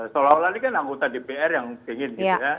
seolah olah ini kan anggota dpr yang ingin